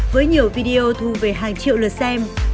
với nhiều video thu về hàng triệu lượt xem